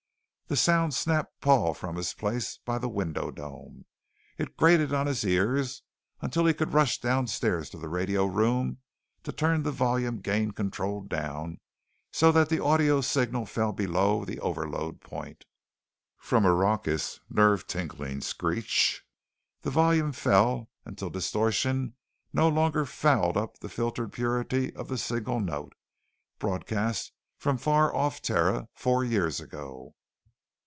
The sound snapped Paul from his place by the window dome. It grated on his ears until he could rush downstairs to the radio room to turn the volume gain control down so that the audio signal fell below the overload point. From a raucous, nerve tingling screech, the volume fell until distortion no longer fouled up the filtered purity of the signal note broadcast from far off Terra four years ago.